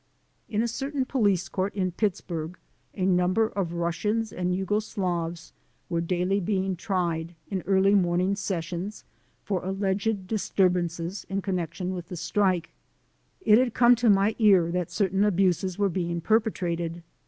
In a certain police court in Pittsburgh a number of .Russians and Jugo Slavs were daily being tried, in early morning sessions, for alleged disturbances in connection with the Strike. It had come to my ear that certain abuses were being perpetrated.